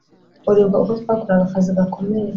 uribuka uko twakoraga akazi gakomeye